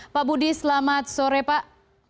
pak budi selamat sore pak